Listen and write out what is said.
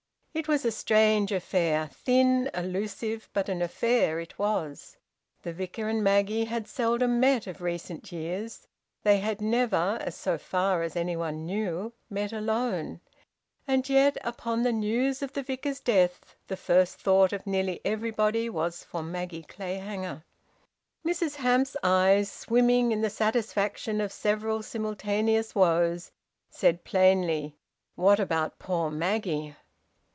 It was a strange affair, thin, elusive; but an affair it was. The Vicar and Maggie had seldom met of recent years, they had never so far as anyone knew met alone; and yet, upon the news of the Vicar's death, the first thought of nearly everybody was for Maggie Clayhanger. Mrs Hamps's eyes, swimming in the satisfaction of several simultaneous woes, said plainly, "What about poor Maggie?"